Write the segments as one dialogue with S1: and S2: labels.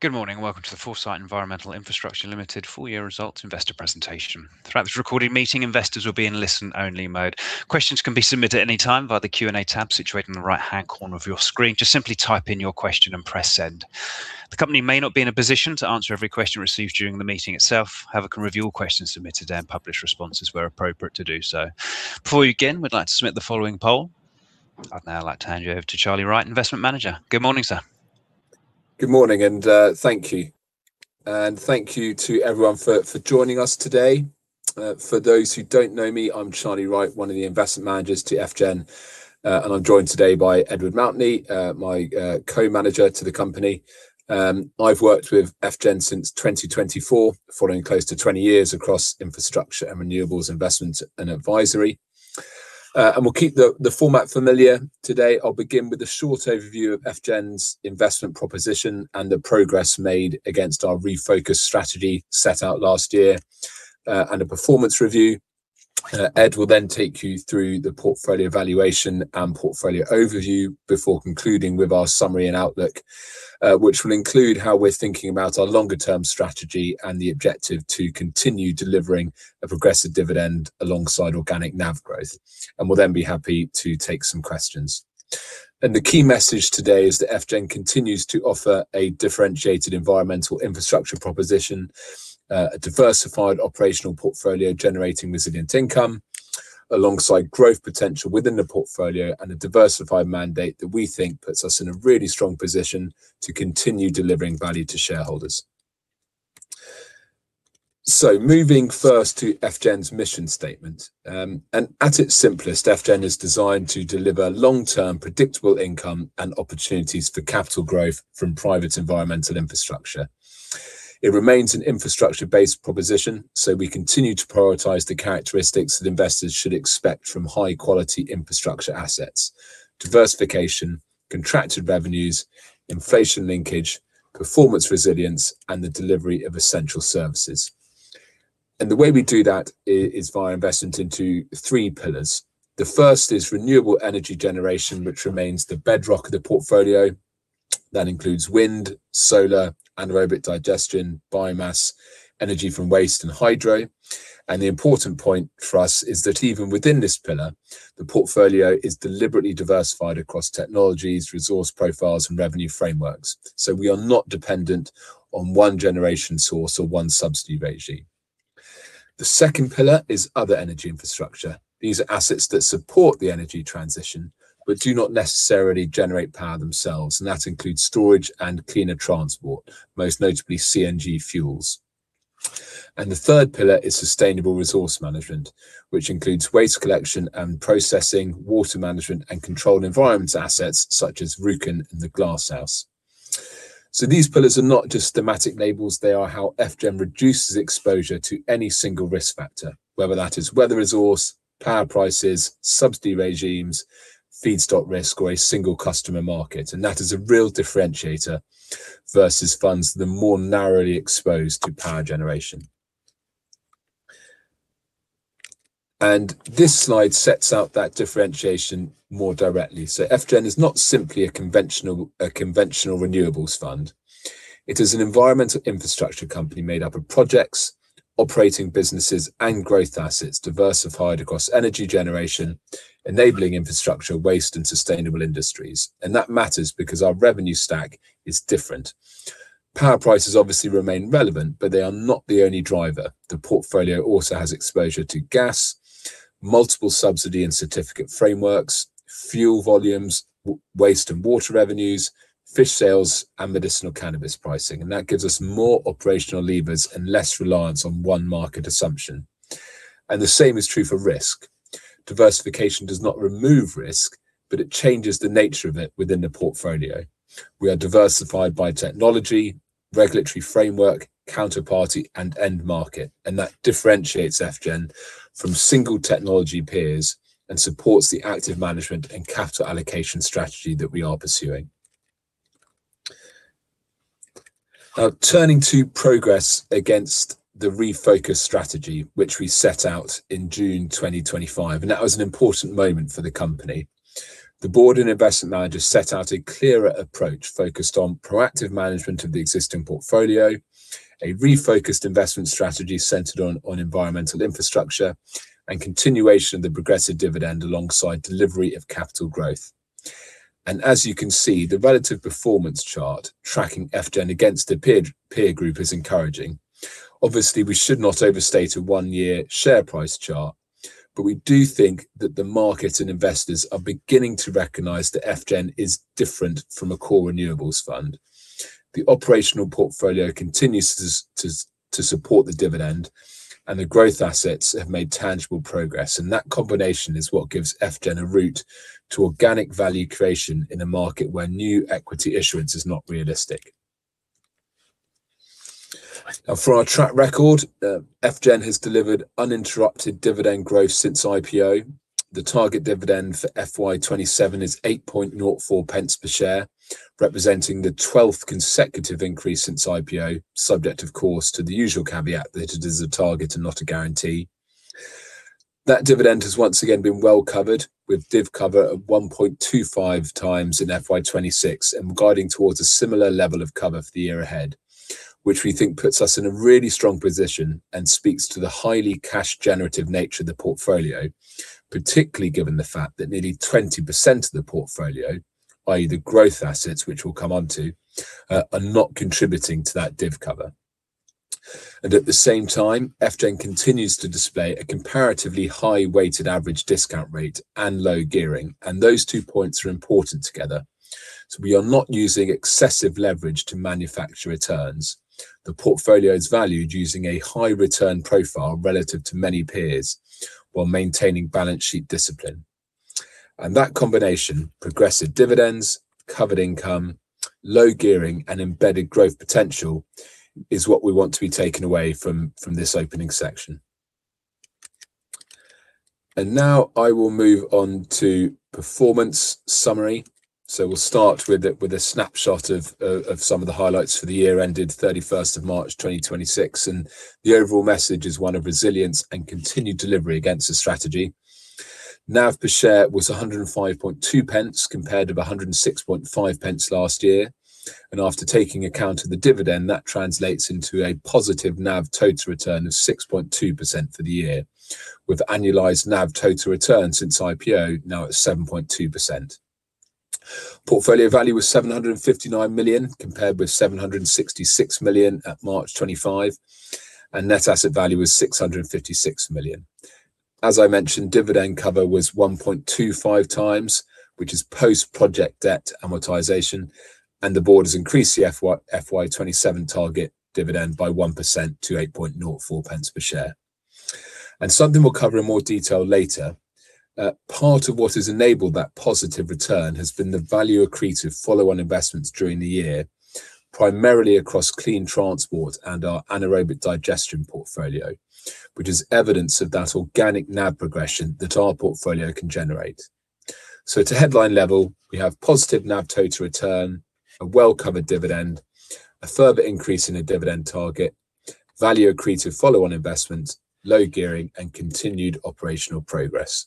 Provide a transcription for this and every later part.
S1: Good morning. Welcome to the Foresight Environmental Infrastructure Limited full year results investor presentation. Throughout this recorded meeting, investors will be in listen only mode. Questions can be submitted any time via the Q&A tab situated in the right-hand corner of your screen. Just simply type in your question and press send. The company may not be in a position to answer every question received during the meeting itself, however, can review all questions submitted and publish responses where appropriate to do so. Before we begin, we'd like to submit the following poll. I'd now like to hand you over to Charlie Wright, Investment Manager. Good morning, sir.
S2: Good morning. Thank you. Thank you to everyone for joining us today. For those who don't know me, I'm Charlie Wright, one of the Investment Managers to FGEN, and I'm joined today by Edward Mountney, my Co-Manager to the company. I've worked with FGEN since 2024, following close to 20 years across infrastructure and renewables investment and advisory. We'll keep the format familiar today. I'll begin with a short overview of FGEN's investment proposition and the progress made against our refocused strategy set out last year, and a performance review. Ed will then take you through the portfolio valuation and portfolio overview before concluding with our summary and outlook, which will include how we're thinking about our longer term strategy and the objective to continue delivering a progressive dividend alongside organic NAV growth. We'll then be happy to take some questions. The key message today is that FGEN continues to offer a differentiated environmental infrastructure proposition, a diversified operational portfolio generating resilient income alongside growth potential within the portfolio, and a diversified mandate that we think puts us in a really strong position to continue delivering value to shareholders. Moving first to FGEN's mission statement. At its simplest, FGEN is designed to deliver long-term predictable income and opportunities for capital growth from private environmental infrastructure. It remains an infrastructure-based proposition, so we continue to prioritize the characteristics that investors should expect from high-quality infrastructure assets, diversification, contracted revenues, inflation linkage, performance resilience, and the delivery of essential services. The way we do that is via investment into three pillars. The first is renewable energy generation, which remains the bedrock of the portfolio. That includes wind, solar, anaerobic digestion, biomass, energy from waste, and hydro. The important point for us is that even within this pillar, the portfolio is deliberately diversified across technologies, resource profiles, and revenue frameworks. We are not dependent on one generation source or one subsidy regime. The second pillar is other energy infrastructure. These are assets that support the energy transition, but do not necessarily generate power themselves, and that includes storage and cleaner transport, most notably CNG Fuels. The third pillar is sustainable resource management, which includes waste collection and processing, water management and controlled environment assets such as Rjukan and the Glasshouse. These pillars are not just thematic labels, they are how FGEN reduces exposure to any single risk factor, whether that is weather resource, power prices, subsidy regimes, feedstock risk, or a single customer market. That is a real differentiator versus funds the more narrowly exposed to power generation. This slide sets out that differentiation more directly. FGEN is not simply a conventional renewables fund. It is an environmental infrastructure company made up of projects, operating businesses, and growth assets diversified across energy generation, enabling infrastructure waste and sustainable industries. That matters because our revenue stack is different. Power prices obviously remain relevant, but they are not the only driver. The portfolio also has exposure to gas, multiple subsidy and certificate frameworks, fuel volumes, waste and water revenues, fish sales, and medicinal cannabis pricing, and that gives us more operational levers and less reliance on one market assumption. The same is true for risk. Diversification does not remove risk, but it changes the nature of it within the portfolio. We are diversified by technology, regulatory framework, counterparty, and end market, and that differentiates FGEN from single technology peers and supports the active management and capital allocation strategy that we are pursuing. Turning to progress against the refocus strategy, which we set out in June 2025. That was an important moment for the company. The board and investment managers set out a clearer approach focused on proactive management of the existing portfolio, a refocused investment strategy centered on environmental infrastructure, and continuation of the progressive dividend alongside delivery of capital growth. As you can see, the relative performance chart tracking FGEN against a peer group is encouraging. Obviously, we should not overstate a one-year share price chart, but we do think that the market and investors are beginning to recognize that FGEN is different from a core renewables fund. The operational portfolio continues to support the dividend, and the growth assets have made tangible progress, and that combination is what gives FGEN a route to organic value creation in a market where new equity issuance is not realistic. Now for our track record, FGEN has delivered uninterrupted dividend growth since IPO. The target dividend for FY 2027 is 0.0804 per share, representing the 12th consecutive increase since IPO, subject of course to the usual caveat that it is a target and not a guarantee. That dividend has once again been well covered with div cover of 1.25x in FY 2026 and guiding towards a similar level of cover for the year ahead, which we think puts us in a really strong position and speaks to the highly cash generative nature of the portfolio, particularly given the fact that nearly 20% of the portfolio, i.e., the growth assets, which we'll come onto, are not contributing to that div cover. At the same time, FGEN continues to display a comparatively high weighted average discount rate and low gearing, and those two points are important together. We are not using excessive leverage to manufacture returns. The portfolio is valued using a high return profile relative to many peers while maintaining balance sheet discipline. That combination, progressive dividends, covered income, low gearing, and embedded growth potential is what we want to be taken away from this opening section. Now I will move on to performance summary. We'll start with a snapshot of some of the highlights for the year ended 31st of March 2026, and the overall message is one of resilience and continued delivery against the strategy. NAV per share was 1.052 compared with 1.065 last year, and after taking account of the dividend, that translates into a positive NAV total return of 6.2% for the year, with annualized NAV total return since IPO now at 7.2%. Portfolio value was 759 million, compared with 766 million at March 2025, and net asset value was 656 million. As I mentioned, dividend cover was 1.25x, which is post-project debt amortization, and the board has increased the FY 2027 target dividend by 1% to 0.0804 per share. Something we'll cover in more detail later, part of what has enabled that positive return has been the value accretive follow-on investments during the year, primarily across clean transport and our anaerobic digestion portfolio, which is evidence of that organic NAV progression that our portfolio can generate. At a headline level, we have positive NAV total return, a well-covered dividend, a further increase in the dividend target, value accretive follow-on investments, low gearing, and continued operational progress.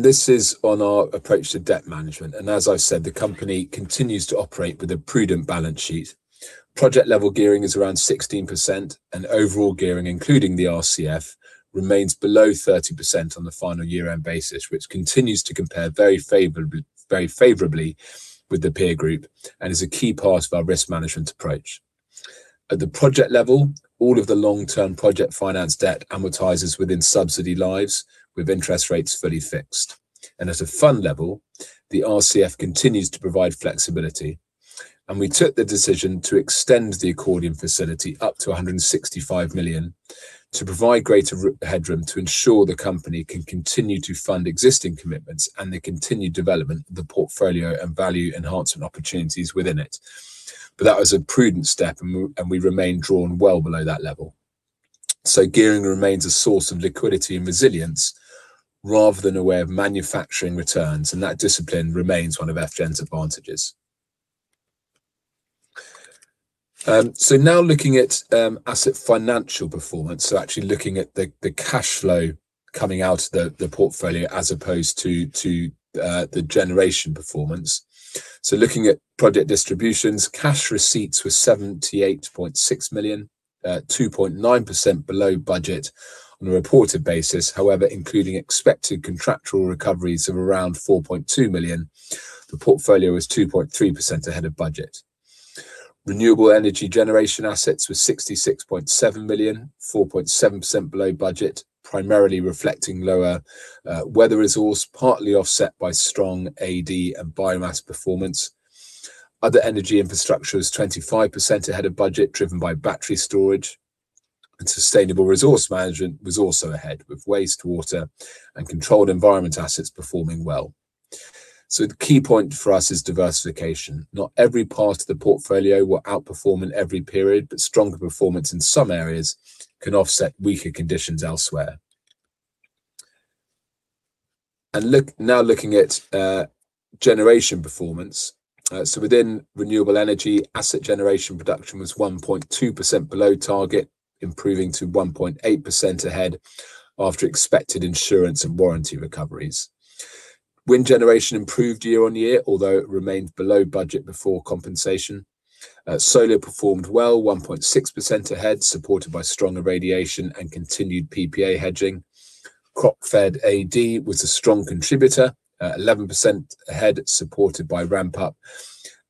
S2: This is on our approach to debt management. As I've said, the company continues to operate with a prudent balance sheet. Project-level gearing is around 16%, and overall gearing, including the RCF, remains below 30% on the final year-end basis, which continues to compare very favorably with the peer group and is a key part of our risk management approach. At the project level, all of the long-term project finance debt amortizes within subsidy lives with interest rates fully fixed. At a fund level, the RCF continues to provide flexibility, and we took the decision to extend the accordion facility up to 165 million to provide greater headroom to ensure the company can continue to fund existing commitments and the continued development of the portfolio and value-enhancement opportunities within it. That was a prudent step, and we remain drawn well below that level. Gearing remains a source of liquidity and resilience rather than a way of manufacturing returns, and that discipline remains one of FGEN's advantages. Now looking at asset financial performance, actually looking at the cash flow coming out of the portfolio as opposed to the generation performance. Looking at project distributions, cash receipts were 78.6 million, 2.9% below budget. On a reported basis, however, including expected contractual recoveries of around 4.2 million, the portfolio is 2.3% ahead of budget. Renewable energy generation assets were 66.7 million, 4.7% below budget, primarily reflecting lower weather resource, partly offset by strong AD and biomass performance. Other energy infrastructure was 25% ahead of budget, driven by battery storage, and sustainable resource management was also ahead, with wastewater and controlled environment assets performing well. The key point for us is diversification. Not every part of the portfolio will outperform in every period, but stronger performance in some areas can offset weaker conditions elsewhere. Now looking at generation performance. Within renewable energy, asset generation production was 1.2% below target, improving to 1.8% ahead after expected insurance and warranty recoveries. Wind generation improved year-on-year, although it remained below budget before compensation. Solar performed well, 1.6% ahead, supported by strong irradiation and continued PPA hedging. Crop-fed AD was a strong contributor at 11% ahead, supported by ramp-up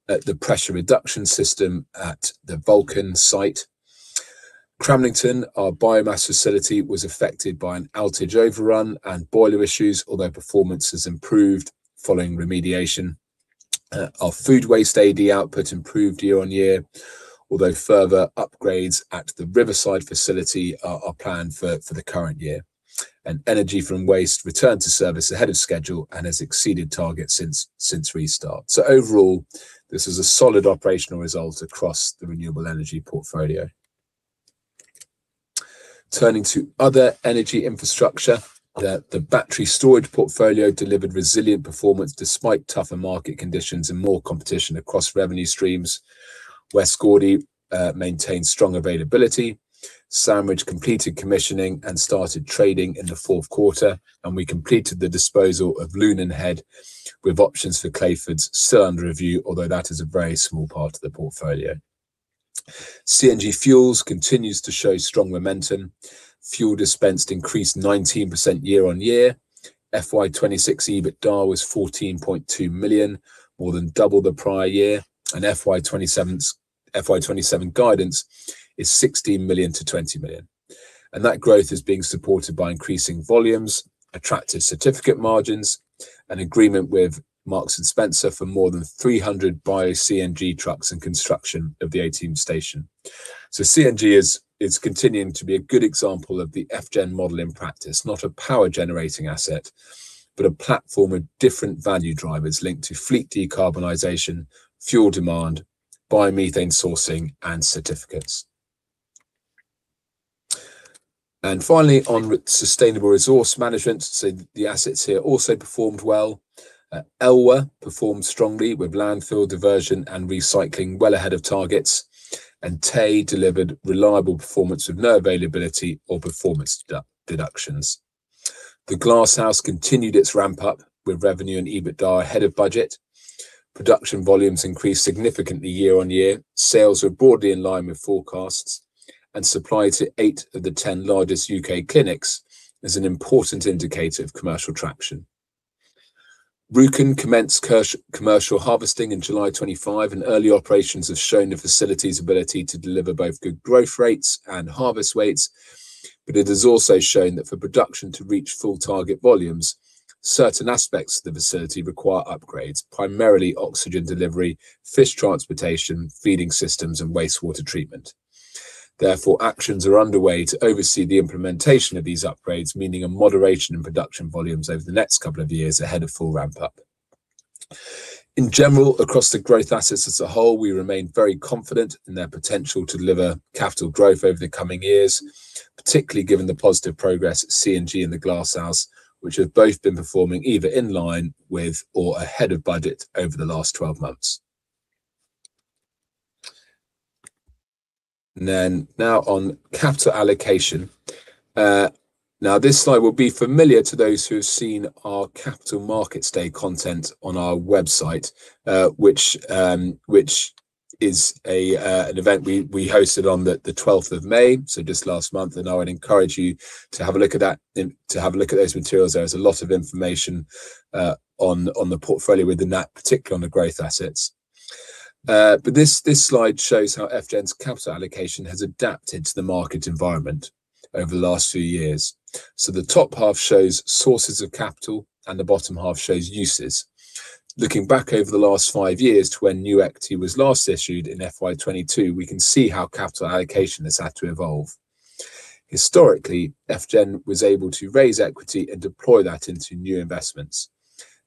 S2: at the pressure reduction system at the Vulcan site. Cramlington, our biomass facility, was affected by an outage overrun and boiler issues. Performance has improved following remediation. Our food waste AD output improved year-on-year. Further upgrades at the Riverside facility are planned for the current year. Energy from waste returned to service ahead of schedule and has exceeded target since restart. Overall, this is a solid operational result across the renewable energy portfolio. Turning to other energy infrastructure, the battery storage portfolio delivered resilient performance despite tougher market conditions and more competition across revenue streams. West Gourdie maintained strong availability. Sandwich completed commissioning and started trading in the fourth quarter, and we completed the disposal of Lunanhead with options for Clayfords still under review, although that is a very small part of the portfolio. CNG Fuels continues to show strong momentum. Fuel dispensed increased 19% year-on-year. FY 2026 EBITDA was 14.2 million, more than double the prior year, and FY 2027 guidance is 16 million-20 million. That growth is being supported by increasing volumes, attractive certificate margins, an agreement with Marks & Spencer for more than 300 bio-CNG trucks and construction of the 18th station. CNG is continuing to be a good example of the FGEN model in practice. Not a power-generating asset, but a platform of different value drivers linked to fleet decarbonization, fuel demand, biomethane sourcing, and certificates. Finally, on sustainable resource management, the assets here also performed well. ELWA performed strongly with landfill diversion and recycling well ahead of targets. Tay delivered reliable performance with no availability or performance deductions. The Glasshouse continued its ramp-up, with revenue and EBITDA ahead of budget. Production volumes increased significantly year-on-year. Sales were broadly in line with forecasts, and supply to eight of the 10 largest U.K. clinics is an important indicator of commercial traction. Rjukan commenced commercial harvesting in July 2025, and early operations have shown the facility's ability to deliver both good growth rates and harvest weights. It has also shown that for production to reach full target volumes, certain aspects of the facility require upgrades, primarily oxygen delivery, fish transportation, feeding systems, and wastewater treatment. Therefore, actions are underway to oversee the implementation of these upgrades, meaning a moderation in production volumes over the next couple of years ahead of full ramp-up. In general, across the growth assets as a whole, we remain very confident in their potential to deliver capital growth over the coming years, particularly given the positive progress at CNG and the Glasshouse, which have both been performing either in line with or ahead of budget over the last 12 months. Now on capital allocation. This slide will be familiar to those who have seen our Capital Markets Day content on our website, which is an event we hosted on the 12th of May, just last month. I would encourage you to have a look at those materials. There is a lot of information on the portfolio within that, particularly on the growth assets. This slide shows how FGEN's capital allocation has adapted to the market environment over the last few years. The top half shows sources of capital, and the bottom half shows uses. Looking back over the last five years to when new equity was last issued in FY 2022, we can see how capital allocation has had to evolve. Historically, FGEN was able to raise equity and deploy that into new investments.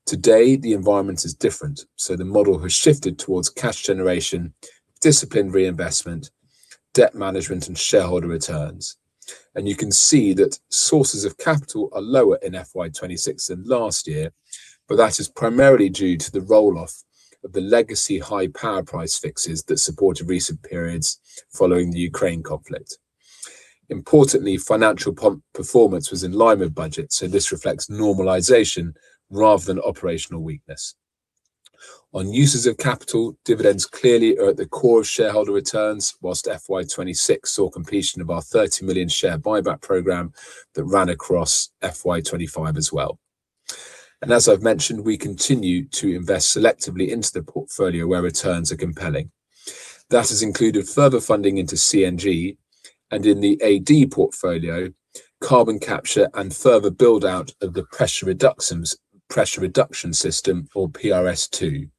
S2: Today, the environment is different, the model has shifted towards cash generation, disciplined reinvestment, debt management, and shareholder returns. You can see that sources of capital are lower in FY 2026 than last year, that is primarily due to the roll-off of the legacy high power price fixes that supported recent periods following the Ukraine conflict. Importantly, financial performance was in line with budget, this reflects normalization rather than operational weakness. On uses of capital, dividends clearly are at the core of shareholder returns, whilst FY 2026 saw completion of our 30 million share buyback program that ran across FY 2025 as well. As I've mentioned, we continue to invest selectively into the portfolio where returns are compelling. That has included further funding into CNG and in the AD portfolio, carbon capture and further build-out of the pressure reduction system for PRS2.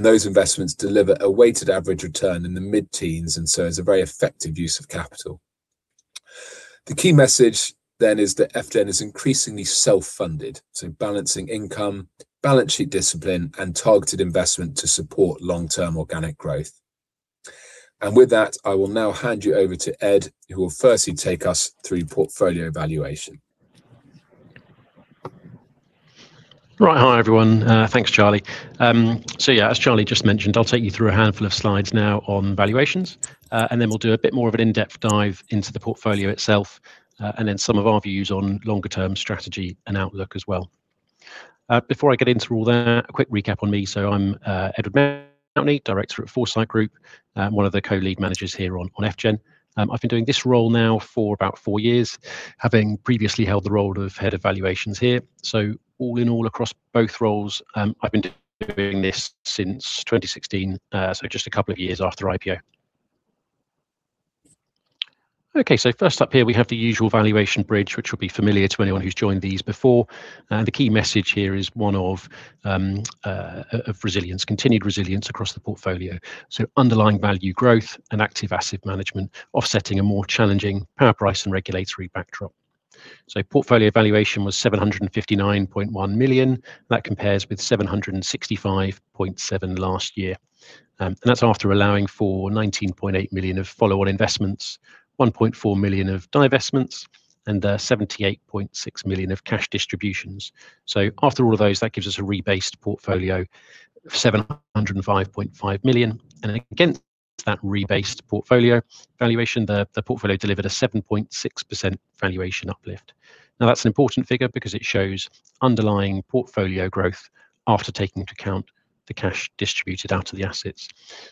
S2: Those investments deliver a weighted average return in the mid-teens, is a very effective use of capital. The key message is that FGEN is increasingly self-funded, balancing income, balance sheet discipline, and targeted investment to support long-term organic growth. With that, I will now hand you over to Ed, who will firstly take us through portfolio valuation.
S3: Right. Hi, everyone. Thanks, Charlie. As Charlie just mentioned, I'll take you through a handful of slides now on valuations, we'll do a bit more of an in-depth dive into the portfolio itself, some of our views on longer-term strategy and outlook as well. Before I get into all that, a quick recap on me. I'm Edward Mountney, Director at Foresight Group, one of the co-lead managers here on FGEN. I've been doing this role now for about four years, having previously held the role of head of valuations here. All in all, across both roles, I've been doing this since 2016, just a couple of years after IPO. First up here, we have the usual valuation bridge, which will be familiar to anyone who's joined these before. The key message here is one of resilience, continued resilience across the portfolio. Underlying value growth and active asset management offsetting a more challenging power price and regulatory backdrop. Portfolio valuation was 759.1 million. That compares with 765.7 last year. That is after allowing for 19.8 million of follow-on investments, 1.4 million of divestments, and 78.6 million of cash distributions. After all of those, that gives us a rebased portfolio of 705.5 million. Again, that rebased portfolio valuation, the portfolio delivered a 7.6% valuation uplift. That is an important figure because it shows underlying portfolio growth after taking into account the cash distributed out of the assets.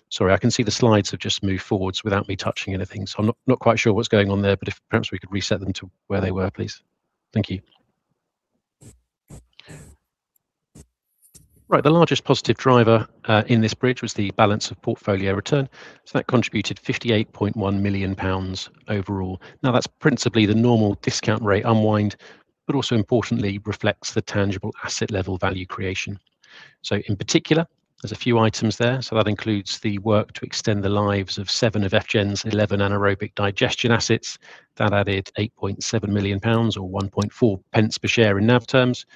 S3: Sorry, I can see the slides have just moved forwards without me touching anything, I am not quite sure what is going on there. If perhaps we could reset them to where they were, please. Thank you. Right. The largest positive driver in this bridge was the balance of portfolio return. That contributed 58.1 million pounds overall. That is principally the normal discount rate unwind, but also importantly reflects the tangible asset level value creation. In particular, there are a few items there. That includes the work to extend the lives of seven of FGEN's 11 anaerobic digestion assets. That added 8.7 million pounds or 0.014 per share in NAV terms.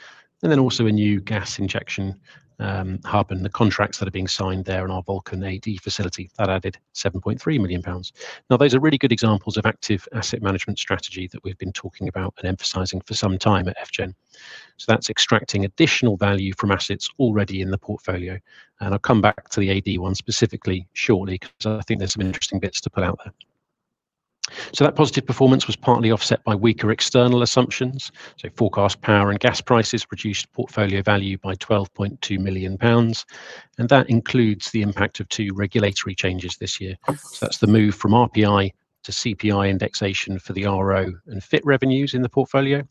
S3: Also a new gas injection hub and the contracts that are being signed there in our Vulcan AD facility. That added 7.3 million pounds. Those are really good examples of active asset management strategy that we have been talking about and emphasizing for some time at FGEN. That is extracting additional value from assets already in the portfolio. I will come back to the AD one specifically shortly because I think there is some interesting bits to pull out there. That positive performance was partly offset by weaker external assumptions. Forecast power and gas prices reduced portfolio value by 12.2 million pounds, and that includes the impact of two regulatory changes this year. That is the move from RPI to CPI indexation for the RO and FIT revenues in the portfolio,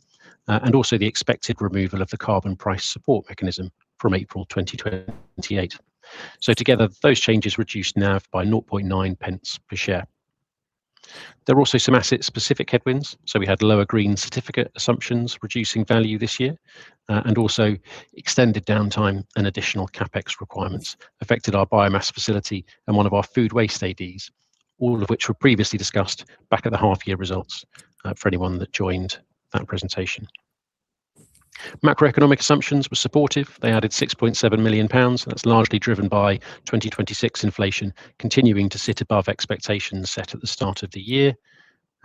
S3: and also the expected removal of the Carbon Price Support mechanism from April 2028. Together, those changes reduced NAV by 0.009 per share. There are also some asset-specific headwinds. We had lower Green Certificate assumptions reducing value this year and also extended downtime and additional CapEx requirements affected our biomass facility and one of our food waste ADs, all of which were previously discussed back at the half-year results, for anyone that joined that presentation. Macroeconomic assumptions were supportive. They added 6.7 million pounds, and that is largely driven by 2026 inflation continuing to sit above expectations set at the start of the year.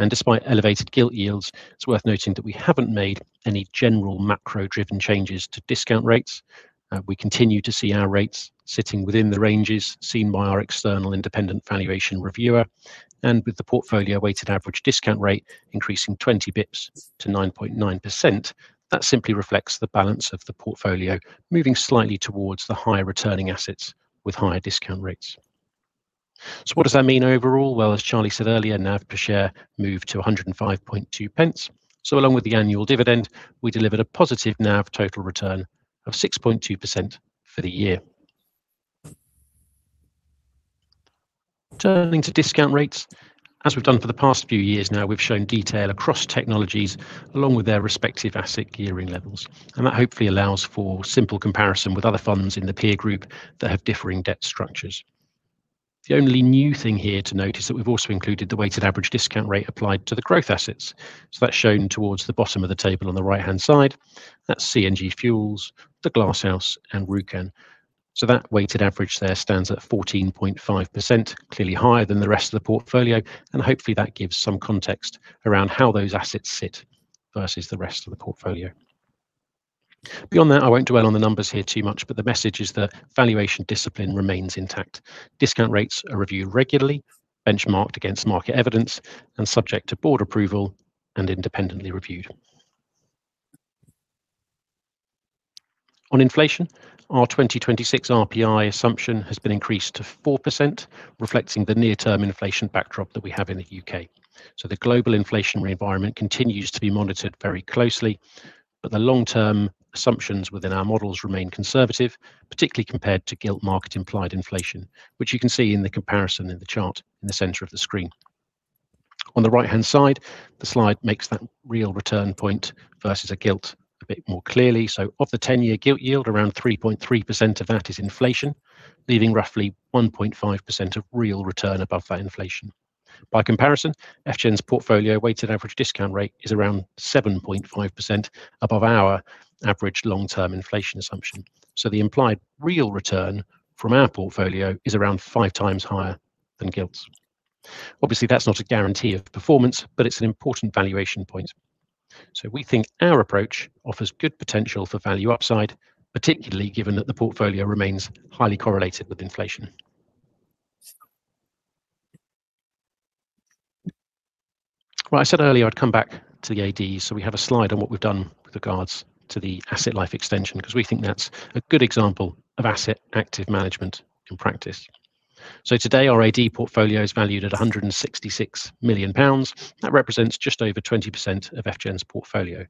S3: Despite elevated gilt yields, it is worth noting that we have not made any general macro-driven changes to discount rates. We continue to see our rates sitting within the ranges seen by our external independent valuation reviewer. With the portfolio weighted average discount rate increasing 20 basis points to 9.9%, that simply reflects the balance of the portfolio moving slightly towards the higher returning assets with higher discount rates. What does that mean overall? Well, as Charlie said earlier, NAV per share moved to 105.2 pence. Along with the annual dividend, we delivered a positive NAV total return of 6.2% for the year. Turning to discount rates, as we've done for the past few years now, we've shown detail across technologies along with their respective asset gearing levels. That hopefully allows for simple comparison with other funds in the peer group that have differing debt structures. The only new thing here to note is that we've also included the weighted average discount rate applied to the growth assets. That's shown towards the bottom of the table on the right-hand side. That's CNG Fuels, the Glasshouse, and Rjukan. That weighted average there stands at 14.5%, clearly higher than the rest of the portfolio, and hopefully that gives some context around how those assets sit versus the rest of the portfolio. Beyond that, I won't dwell on the numbers here too much, but the message is that valuation discipline remains intact. Discount rates are reviewed regularly, benchmarked against market evidence, and subject to board approval and independently reviewed. On inflation, our 2026 RPI assumption has been increased to 4%, reflecting the near-term inflation backdrop that we have in the U.K. The global inflationary environment continues to be monitored very closely, but the long-term assumptions within our models remain conservative, particularly compared to gilt market implied inflation, which you can see in the comparison in the chart in the center of the screen. On the right-hand side, the slide makes that real return point versus a gilt a bit more clearly. Of the 10-year gilt yield, around 3.3% of that is inflation, leaving roughly 1.5% of real return above that inflation. Well, by comparison, FGEN's portfolio weighted average discount rate is around 7.5% above our average long-term inflation assumption. The implied real return from our portfolio is around five times higher than gilts. Obviously, that's not a guarantee of performance, but it's an important valuation point. We think our approach offers good potential for value upside, particularly given that the portfolio remains highly correlated with inflation. Well, I said earlier I'd come back to the AD, so we have a slide on what we've done with regards to the asset life extension because we think that's a good example of asset active management in practice. Today, our AD portfolio is valued at 166 million pounds. That represents just over 20% of FGEN's portfolio.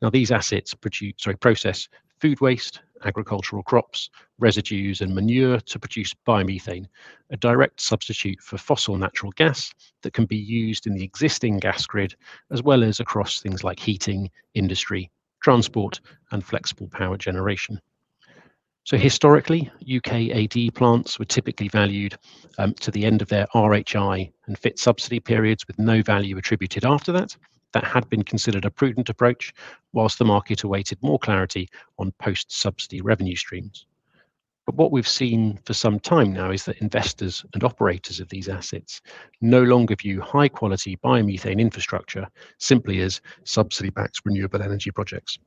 S3: Now, these assets process food waste, agricultural crops, residues, and manure to produce biomethane, a direct substitute for fossil natural gas that can be used in the existing gas grid as well as across things like heating, industry, transport, and flexible power generation. Historically, U.K. AD plants were typically valued to the end of their RHI and FIT subsidy periods, with no value attributed after that. That had been considered a prudent approach whilst the market awaited more clarity on post-subsidy revenue streams. What we've seen for some time now is that investors and operators of these assets no longer view high-quality biomethane infrastructure simply as subsidy-backed renewable energy projects.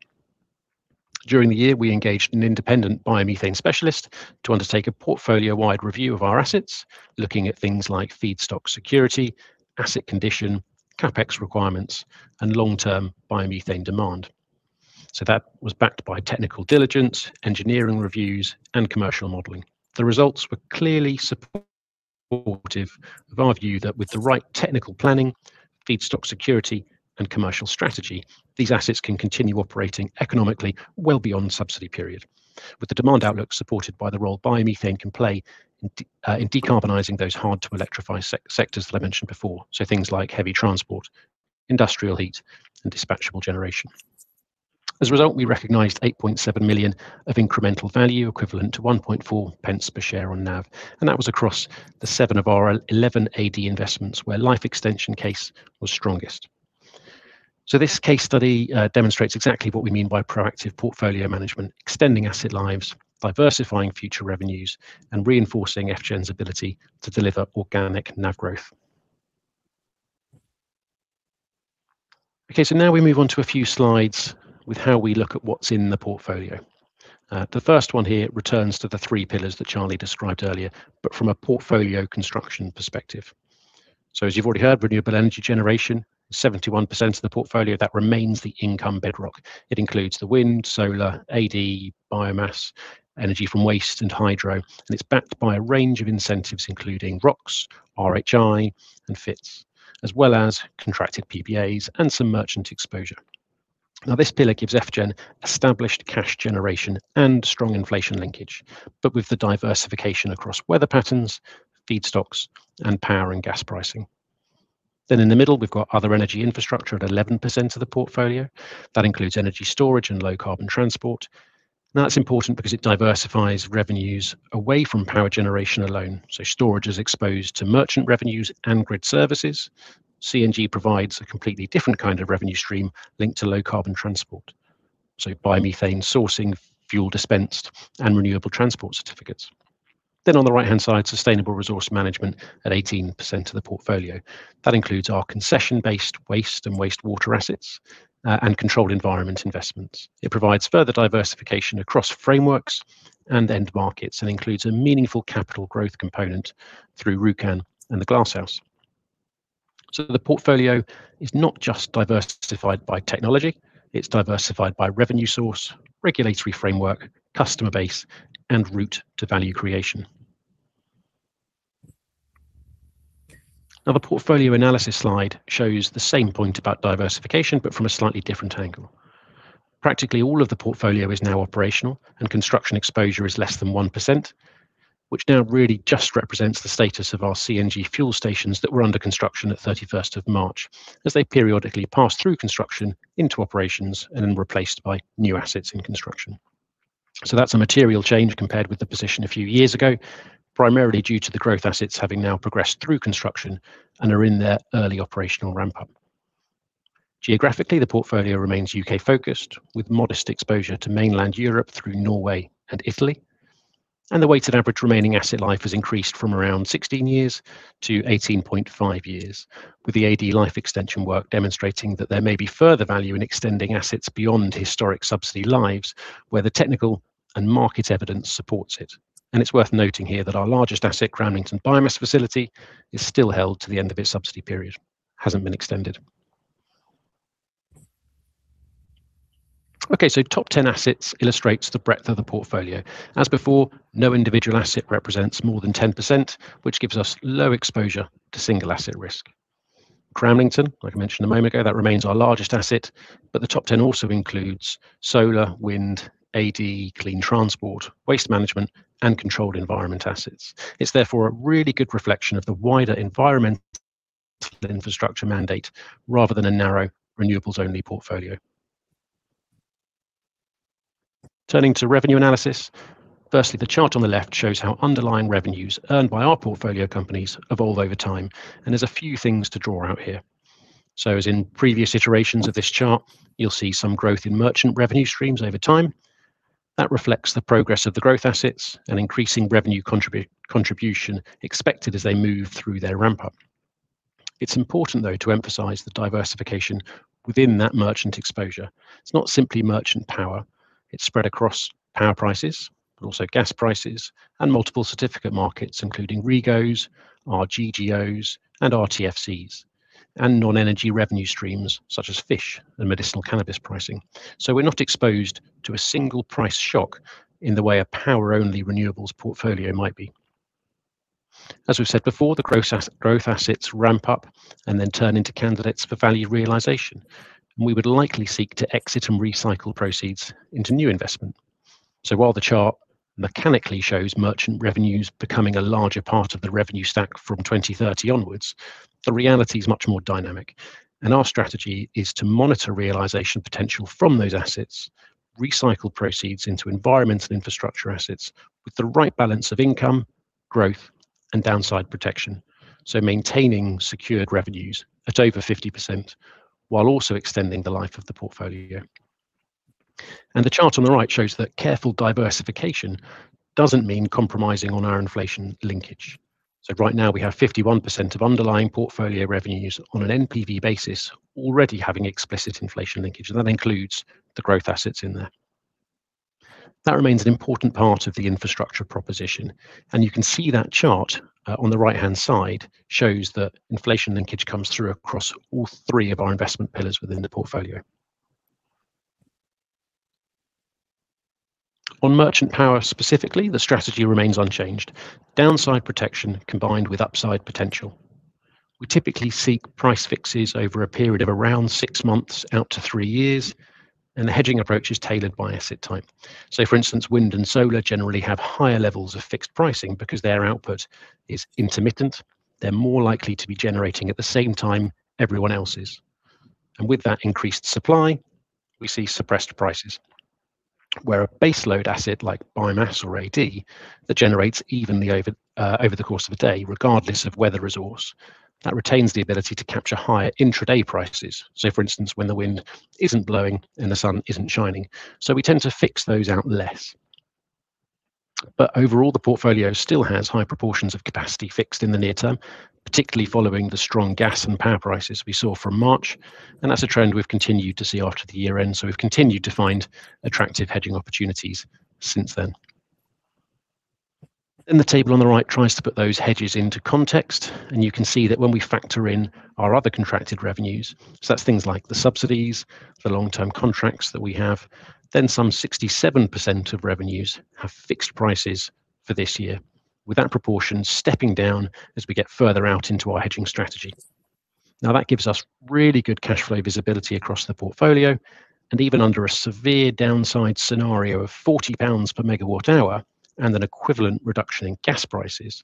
S3: During the year, we engaged an independent biomethane specialist to undertake a portfolio-wide review of our assets, looking at things like feedstock security, asset condition, CapEx requirements, and long-term biomethane demand. That was backed by technical diligence, engineering reviews, and commercial modeling. The results were clearly supportive of our view that with the right technical planning, feedstock security, and commercial strategy, these assets can continue operating economically well beyond the subsidy period. With the demand outlook supported by the role biomethane can play in decarbonizing those hard-to-electrify sectors that I mentioned before, things like heavy transport, industrial heat, and dispatchable generation. As a result, we recognized 8.7 million of incremental value, equivalent to 1.4 pence per share on NAV, and that was across the seven of our 11 AD investments where life extension case was strongest. This case study demonstrates exactly what we mean by proactive portfolio management, extending asset lives, diversifying future revenues, and reinforcing FGEN's ability to deliver organic NAV growth. Now we move on to a few slides with how we look at what's in the portfolio. The first one here returns to the three pillars that Charlie described earlier, from a portfolio construction perspective. As you've already heard, renewable energy generation, 71% of the portfolio, that remains the income bedrock. It includes the wind, solar, AD, biomass, energy from waste, and hydro, and it's backed by a range of incentives, including ROCs, RHI, and FITs, as well as contracted PPAs and some merchant exposure. This pillar gives FGEN established cash generation and strong inflation linkage, with the diversification across weather patterns, feedstocks, and power and gas pricing. In the middle, we've got other energy infrastructure at 11% of the portfolio. That includes energy storage and low carbon transport. That's important because it diversifies revenues away from power generation alone. Storage is exposed to merchant revenues and grid services. CNG provides a completely different kind of revenue stream linked to low carbon transport, biomethane sourcing, fuel dispensed, and renewable transport certificates. On the right-hand side, sustainable resource management at 18% of the portfolio. That includes our concession-based waste and wastewater assets and controlled environment investments. It provides further diversification across frameworks and end markets and includes a meaningful capital growth component through Rjukan and the Glasshouse. The portfolio is not just diversified by technology, it's diversified by revenue source, regulatory framework, customer base, and route to value creation. The portfolio analysis slide shows the same point about diversification, from a slightly different angle. Practically all of the portfolio is now operational, and construction exposure is less than 1%, which now really just represents the status of our CNG Fuels stations that were under construction at 31st of March, as they periodically pass through construction into operations and then replaced by new assets in construction. That's a material change compared with the position a few years ago, primarily due to the growth assets having now progressed through construction and are in their early operational ramp-up. Geographically, the portfolio remains U.K.-focused, with modest exposure to mainland Europe through Norway and Italy. The weighted average remaining asset life has increased from around 16 years to 18.5 years, with the AD life extension work demonstrating that there may be further value in extending assets beyond historic subsidy lives where the technical and market evidence supports it. It's worth noting here that our largest asset, Cramlington Biomass facility, is still held to the end of its subsidy period. It hasn't been extended. Top 10 assets illustrates the breadth of the portfolio. As before, no individual asset represents more than 10%, which gives us low exposure to single asset risk. Cramlington, like I mentioned a moment ago, that remains our largest asset, but the top 10 also includes solar, wind, AD, clean transport, waste management, and controlled environment assets. It's therefore a really good reflection of the wider environmental infrastructure mandate rather than a narrow renewables-only portfolio. Turning to revenue analysis. Firstly, the chart on the left shows how underlying revenues earned by our portfolio companies evolve over time, there's a few things to draw out here. As in previous iterations of this chart, you'll see some growth in merchant revenue streams over time. That reflects the progress of the growth assets and increasing revenue contribution expected as they move through their ramp-up. It's important, though, to emphasize the diversification within that merchant exposure. It's not simply merchant power. It's spread across power prices, also gas prices, and multiple certificate markets, including REGOs, RGGOs, and RTFCs, and non-energy revenue streams such as fish and medicinal cannabis pricing. We're not exposed to a single price shock in the way a power-only renewables portfolio might be. As we've said before, the growth assets ramp up and then turn into candidates for value realization. We would likely seek to exit and recycle proceeds into new investment. While the chart mechanically shows merchant revenues becoming a larger part of the revenue stack from 2030 onwards, the reality is much more dynamic, our strategy is to monitor realization potential from those assets, recycle proceeds into environmental infrastructure assets with the right balance of income growth and downside protection. Maintaining secured revenues at over 50% while also extending the life of the portfolio. The chart on the right shows that careful diversification doesn't mean compromising on our inflation linkage. Right now, we have 51% of underlying portfolio revenues on an NPV basis already having explicit inflation linkage, and that includes the growth assets in there. That remains an important part of the infrastructure proposition. You can see that chart on the right-hand side shows that inflation linkage comes through across all three of our investment pillars within the portfolio. On merchant power, specifically, the strategy remains unchanged. Downside protection combined with upside potential. We typically seek price fixes over a period of around six months out to three years the hedging approach is tailored by asset type. For instance, wind and solar generally have higher levels of fixed pricing because their output is intermittent. They're more likely to be generating at the same time everyone else is. With that increased supply, we see suppressed prices. Where a baseload asset like biomass or AD that generates evenly over the course of a day, regardless of weather resource, that retains the ability to capture higher intraday prices. For instance, when the wind isn't blowing and the sun isn't shining. We tend to fix those out less. Overall, the portfolio still has high proportions of capacity fixed in the near term, particularly following the strong gas and power prices we saw from March. That's a trend we've continued to see after the year-end. We've continued to find attractive hedging opportunities since then. The table on the right tries to put those hedges into context, and you can see that when we factor in our other contracted revenues, that's things like the subsidies, the long-term contracts that we have, then some 67% of revenues have fixed prices for this year, with that proportion stepping down as we get further out into our hedging strategy. That gives us really good cash flow visibility across the portfolio and even under a severe downside scenario of 40 pounds per MWh and an equivalent reduction in gas prices,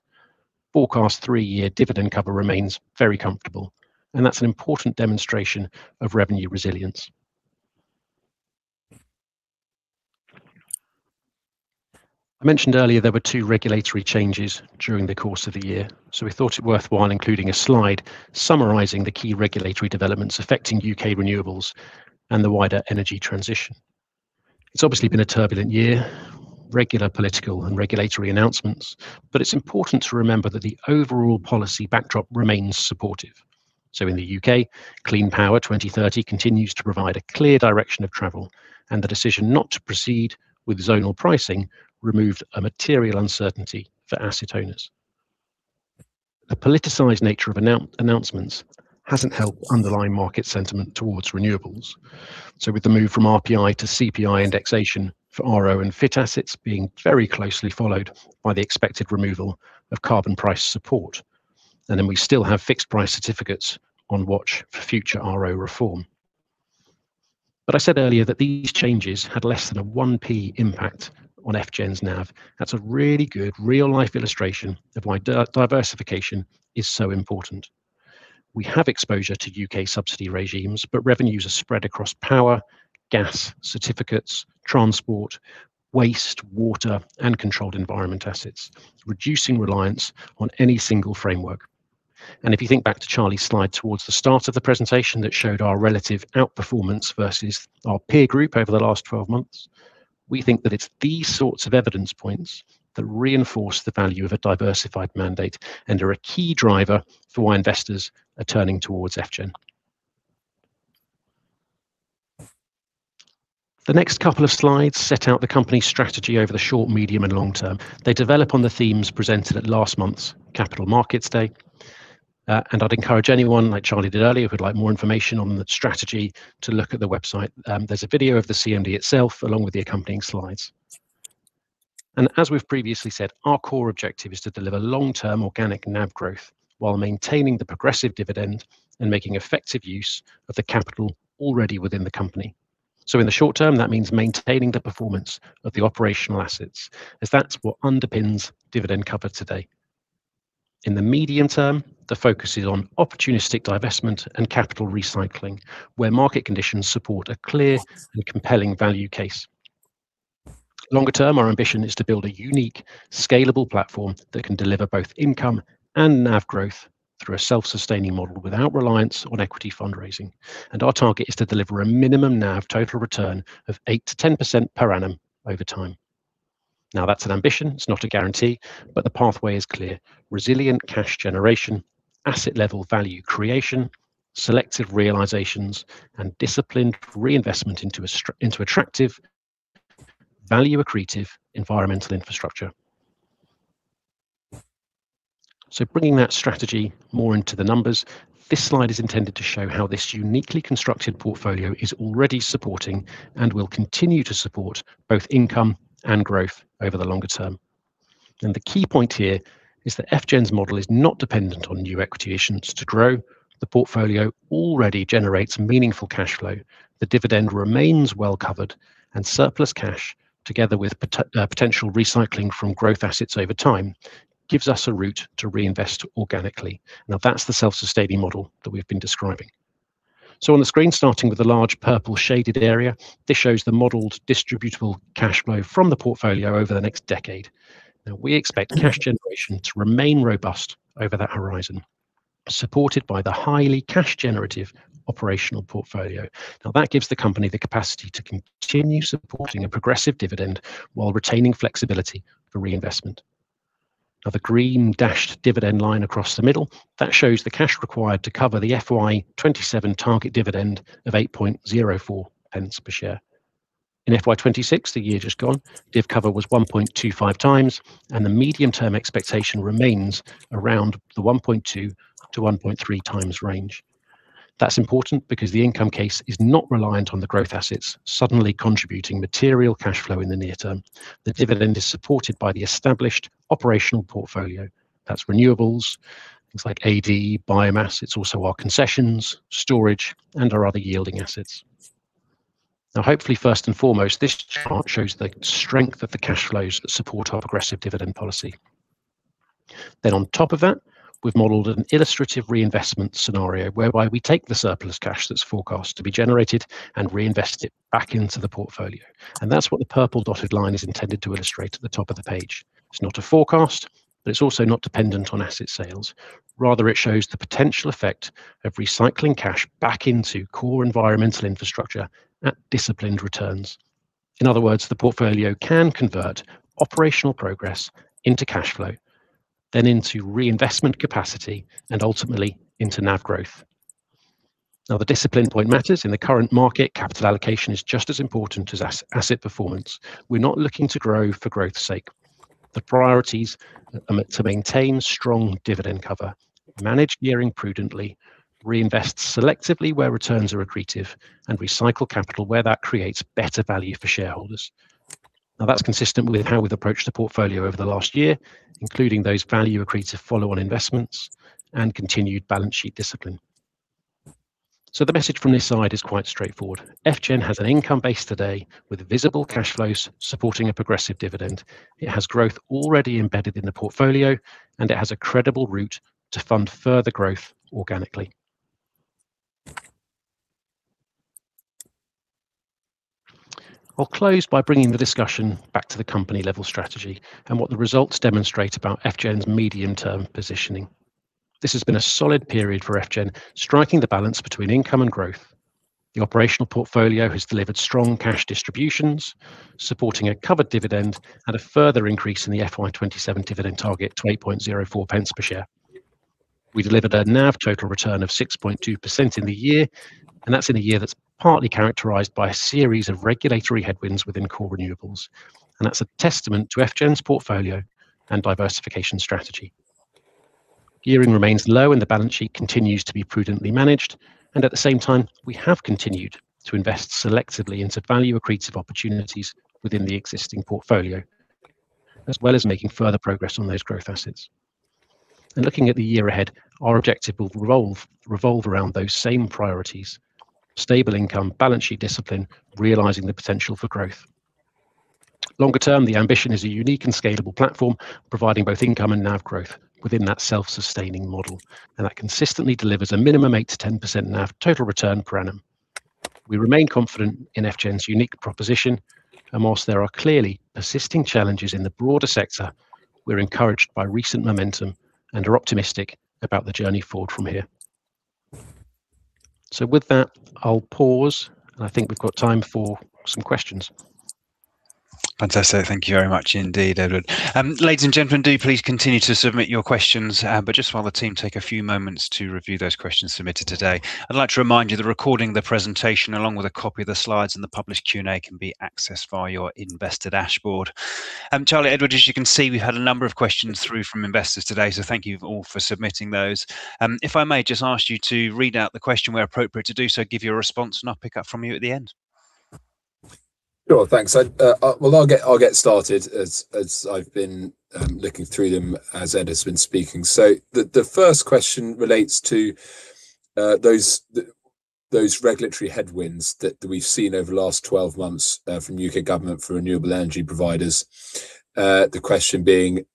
S3: forecast three-year dividend cover remains very comfortable, and that's an important demonstration of revenue resilience. I mentioned earlier there were two regulatory changes during the course of the year, we thought it worthwhile including a slide summarizing the key regulatory developments affecting U.K. renewables and the wider energy transition. It's obviously been a turbulent year, regular political and regulatory announcements, but it's important to remember that the overall policy backdrop remains supportive. In the U.K., Clean Power 2030 continues to provide a clear direction of travel, and the decision not to proceed with zonal pricing removed a material uncertainty for asset owners. The politicized nature of announcements hasn't helped underlying market sentiment towards renewables. With the move from RPI to CPI indexation for RO and FIT assets being very closely followed by the expected removal of Carbon Price Support. Then we still have Fixed Price Certificates on watch for future RO reform. I said earlier that these changes had less than a 0.01 impact on FGEN's NAV. That's a really good real-life illustration of why diversification is so important. We have exposure to U.K. subsidy regimes, but revenues are spread across power, gas, certificates, transport, waste, water, and controlled environment assets, reducing reliance on any single framework. If you think back to Charlie's slide towards the start of the presentation that showed our relative outperformance versus our peer group over the last 12 months, we think that it's these sorts of evidence points that reinforce the value of a diversified mandate and are a key driver for why investors are turning towards FGEN. The next couple of slides set out the company strategy over the short, medium, and long term. They develop on the themes presented at last month's Capital Markets Day. I'd encourage anyone, like Charlie did earlier, who'd like more information on the strategy to look at the website. There's a video of the CMD itself along with the accompanying slides. As we've previously said, our core objective is to deliver long-term organic NAV growth while maintaining the progressive dividend and making effective use of the capital already within the company. In the short term, that means maintaining the performance of the operational assets, as that's what underpins dividend cover today. In the medium term, the focus is on opportunistic divestment and capital recycling, where market conditions support a clear and compelling value case. Longer term, our ambition is to build a unique, scalable platform that can deliver both income and NAV growth through a self-sustaining model without reliance on equity fundraising. Our target is to deliver a minimum NAV total return of 8%-10% per annum over time. That's an ambition. It's not a guarantee, but the pathway is clear. Resilient cash generation, asset-level value creation, selective realizations, and disciplined reinvestment into attractive, value-accretive environmental infrastructure. Bringing that strategy more into the numbers, this slide is intended to show how this uniquely constructed portfolio is already supporting and will continue to support both income and growth over the longer term. The key point here is that FGEN's model is not dependent on new equity issuance to grow. The portfolio already generates meaningful cash flow. The dividend remains well covered and surplus cash, together with potential recycling from growth assets over time, gives us a route to reinvest organically. That's the self-sustaining model that we've been describing. On the screen, starting with the large purple shaded area, this shows the modeled distributable cash flow from the portfolio over the next decade. We expect cash generation to remain robust over that horizon, supported by the highly cash generative operational portfolio. That gives the company the capacity to continue supporting a progressive dividend while retaining flexibility for reinvestment. The green dashed dividend line across the middle, that shows the cash required to cover the FY 2027 target dividend of 8.04 pence per share. In FY 2026, the year just gone, div cover was 1.25x, and the medium-term expectation remains around the 1.2x to 1.3x range. That's important because the income case is not reliant on the growth assets suddenly contributing material cash flow in the near term. The dividend is supported by the established operational portfolio. That's renewables, things like AD, biomass. It's also our concessions, storage, and our other yielding assets. Hopefully, first and foremost, this chart shows the strength of the cash flows that support our progressive dividend policy. On top of that, we've modeled an illustrative reinvestment scenario whereby we take the surplus cash that's forecast to be generated and reinvest it back into the portfolio. That's what the purple dotted line is intended to illustrate at the top of the page. It's not a forecast, but it's also not dependent on asset sales. Rather, it shows the potential effect of recycling cash back into core environmental infrastructure at disciplined returns. In other words, the portfolio can convert operational progress into cash flow, then into reinvestment capacity, and ultimately into NAV growth. The discipline point matters. In the current market, capital allocation is just as important as asset performance. We're not looking to grow for growth's sake. The priorities are to maintain strong dividend cover, manage gearing prudently, reinvest selectively where returns are accretive, and recycle capital where that creates better value for shareholders. That's consistent with how we've approached the portfolio over the last year, including those value accretive follow-on investments and continued balance sheet discipline. The message from this slide is quite straightforward. FGEN has an income base today with visible cash flows supporting a progressive dividend. It has growth already embedded in the portfolio, and it has a credible route to fund further growth organically. I'll close by bringing the discussion back to the company-level strategy and what the results demonstrate about FGEN's medium-term positioning. This has been a solid period for FGEN, striking the balance between income and growth. The operational portfolio has delivered strong cash distributions, supporting a covered dividend and a further increase in the FY 2027 dividend target to 8.04 pence per share. We delivered a NAV total return of 6.2% in the year, that's in a year that's partly characterized by a series of regulatory headwinds within core renewables. That's a testament to FGEN's portfolio and diversification strategy. Gearing remains low, and the balance sheet continues to be prudently managed. At the same time, we have continued to invest selectively into value accretive opportunities within the existing portfolio, as well as making further progress on those growth assets. Looking at the year ahead, our objective will revolve around those same priorities, stable income, balance sheet discipline, realizing the potential for growth. Longer term, the ambition is a unique and scalable platform, providing both income and NAV growth within that self-sustaining model. That consistently delivers a minimum 8%-10% NAV total return per annum. We remain confident in FGEN's unique proposition, whilst there are clearly persisting challenges in the broader sector, we're encouraged by recent momentum and are optimistic about the journey forward from here. With that, I'll pause, I think we've got time for some questions.
S1: Fantastic. Thank you very much indeed, Edward. Ladies and gentlemen, do please continue to submit your questions, just while the team take a few moments to review those questions submitted today, I'd like to remind you the recording of the presentation, along with a copy of the slides and the published Q&A, can be accessed via your investor dashboard. Charlie, Edward, as you can see, we've had a number of questions through from investors today, thank you all for submitting those. If I may just ask you to read out the question where appropriate to do so, give your response, I'll pick up from you at the end.
S2: Thanks. I'll get started as I've been looking through them as Ed has been speaking. The first question relates to those regulatory headwinds that we've seen over the last 12 months from U.K. government for renewable energy providers. The question being,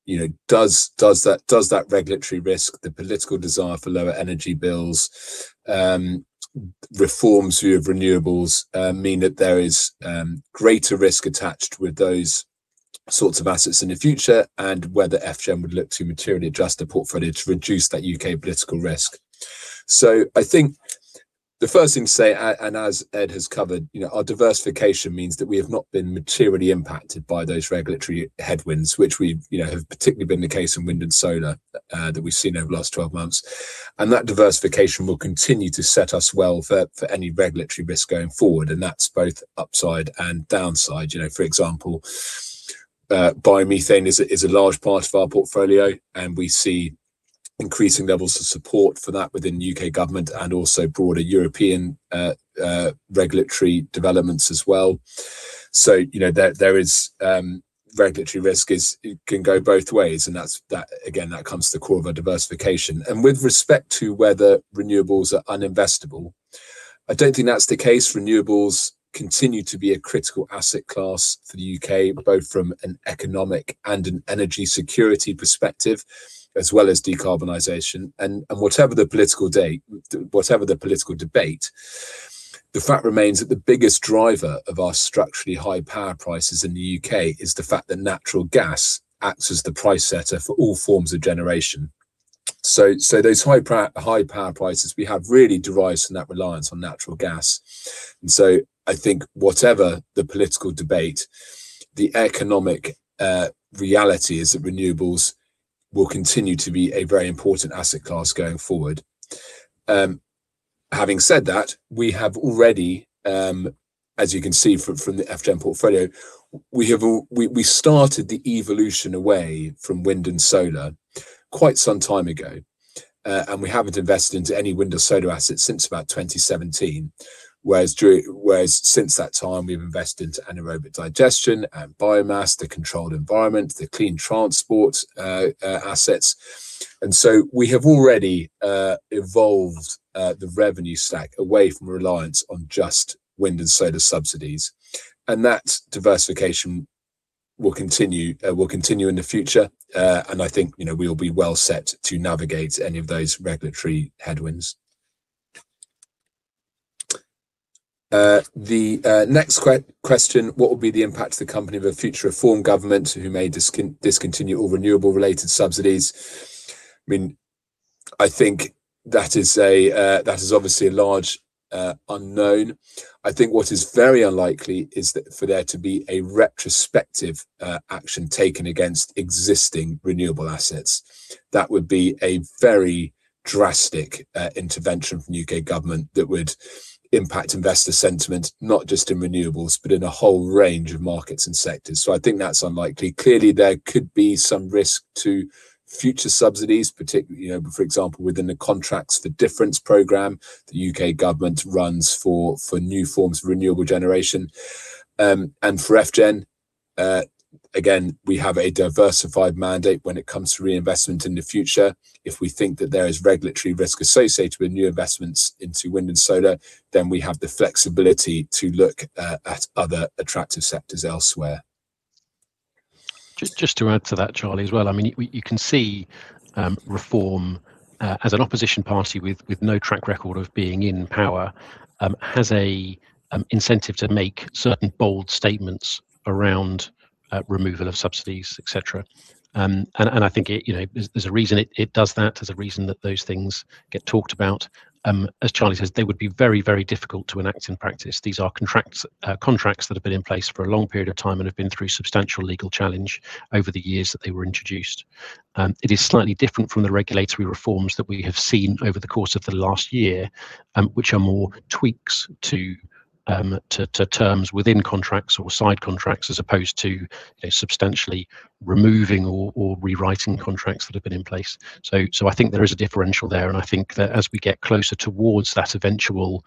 S2: does that regulatory risk, the political desire for lower energy bills, reforms of renewables, mean that there is greater risk attached with those sorts of assets in the future, and whether FGEN would look to materially adjust the portfolio to reduce that U.K. political risk? I think the first thing to say, and as Ed has covered, our diversification means that we have not been materially impacted by those regulatory headwinds, which have particularly been the case in wind and solar that we've seen over the last 12 months. That diversification will continue to set us well for any regulatory risk going forward, and that's both upside and downside. For example, biomethane is a large part of our portfolio, and we see increasing levels of support for that within U.K. government and also broader European regulatory developments as well. Regulatory risk can go both ways, and again, that comes to the core of our diversification. With respect to whether renewables are uninvestable, I don't think that's the case. Renewables continue to be a critical asset class for the U.K., both from an economic and an energy security perspective, as well as decarbonization. Whatever the political debate, the fact remains that the biggest driver of our structurally high power prices in the U.K. is the fact that natural gas acts as the price setter for all forms of generation. Those high-power prices we have really derives from that reliance on natural gas. I think whatever the political debate, the economic reality is that renewables will continue to be a very important asset class going forward. Having said that, we have already, as you can see from the FGEN portfolio, we started the evolution away from wind and solar quite some time ago. We haven't invested into any wind or solar assets since about 2017, whereas since that time we've invested into anaerobic digestion and biomass, the controlled environment, the clean transport assets. We have already evolved the revenue stack away from reliance on just wind and solar subsidies, and that diversification will continue in the future. I think we'll be well set to navigate any of those regulatory headwinds. The next question, what will be the impact of the company of a future Reform government who may discontinue all renewable-related subsidies? I think that is obviously a large unknown. I think what is very unlikely is for there to be a retrospective action taken against existing renewable assets. That would be a very drastic intervention from U.K. government that would impact investor sentiment, not just in renewables, but in a whole range of markets and sectors. I think that's unlikely. Clearly, there could be some risk to future subsidies, for example, within the Contracts for Difference program that U.K. government runs for new forms of renewable generation. For FGEN, again, we have a diversified mandate when it comes to reinvestment in the future. If we think that there is regulatory risk associated with new investments into wind and solar, then we have the flexibility to look at other attractive sectors elsewhere.
S3: Just to add to that, Charlie, as well, you can see Reform, as an opposition party with no track record of being in power, has an incentive to make certain bold statements around removal of subsidies, et cetera. I think there's a reason it does that. There's a reason that those things get talked about. As Charlie says, they would be very difficult to enact in practice. These are contracts that have been in place for a long period of time and have been through substantial legal challenge over the years that they were introduced. It is slightly different from the regulatory reforms that we have seen over the course of the last year, which are more tweaks to terms within contracts or side contracts, as opposed to substantially removing or rewriting contracts that have been in place. I think there is a differential there, and I think that as we get closer towards that eventual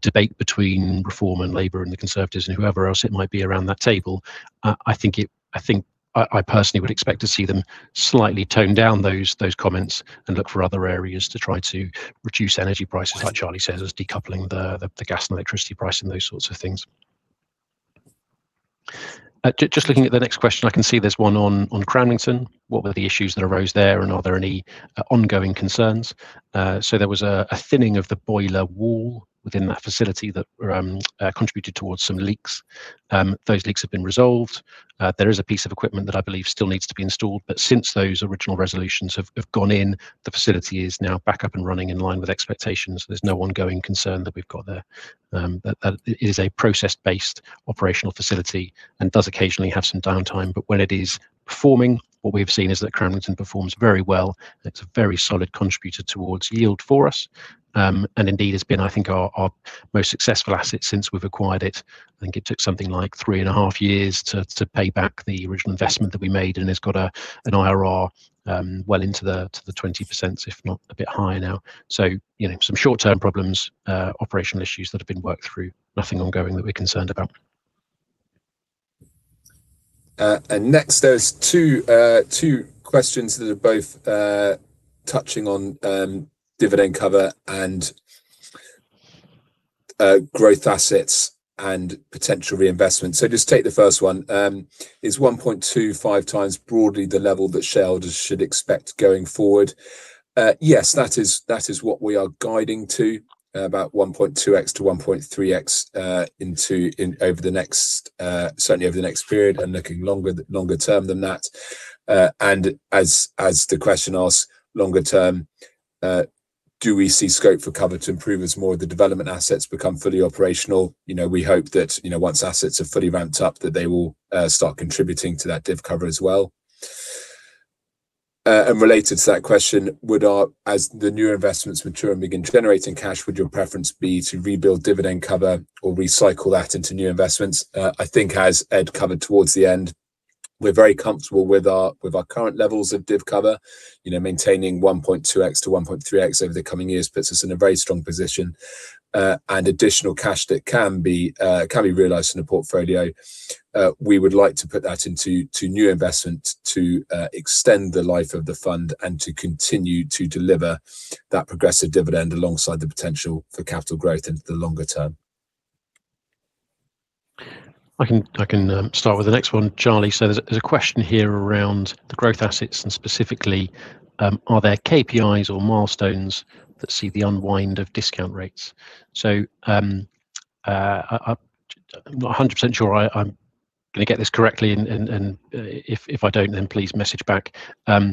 S3: debate between Reform and Labour and the Conservatives and whoever else it might be around that table, I think I personally would expect to see them slightly tone down those comments and look for other areas to try to reduce energy prices, like Charlie says, as decoupling the gas and electricity price and those sorts of things. Just looking at the next question, I can see there's one on Cramlington. What were the issues that arose there, and are there any ongoing concerns? There was a thinning of the boiler wall within that facility that contributed towards some leaks. Those leaks have been resolved. There is a piece of equipment that I believe still needs to be installed, since those original resolutions have gone in, the facility is now back up and running in line with expectations. There's no ongoing concern that we've got there. That is a process-based operational facility and does occasionally have some downtime, but when it is performing, what we've seen is that Cramlington performs very well. It's a very solid contributor towards yield for us. Indeed, it's been, I think, our most successful asset since we've acquired it. I think it took something like three and a half years to pay back the original investment that we made, and it's got an IRR well into the 20% if not a bit higher now. Some short-term problems, operational issues that have been worked through, nothing ongoing that we're concerned about.
S2: Next, there's two questions that are both touching on dividend cover and growth assets and potential reinvestment. Just take the first one. Is 1.25x broadly the level that shareholders should expect going forward? Yes, that is what we are guiding to, about 1.2x to 1.3x certainly over the next period and looking longer term than that. As the question asks longer term, do we see scope for cover to improve as more of the development assets become fully operational? We hope that once assets are fully ramped up, that they will start contributing to that div cover as well. Related to that question, as the newer investments mature and begin generating cash, would your preference be to rebuild dividend cover or recycle that into new investments? I think as Ed covered towards the end, we're very comfortable with our current levels of div cover. Maintaining 1.2x to 1.3x over the coming years puts us in a very strong position. Additional cash that can be realized in the portfolio, we would like to put that into new investment to extend the life of the fund and to continue to deliver that progressive dividend alongside the potential for capital growth into the longer term.
S3: I can start with the next one, Charlie. There's a question here around the growth assets and specifically, are there KPIs or milestones that see the unwind of discount rates? I'm not 100% sure I'm going to get this correctly and if I don't, then please message back. I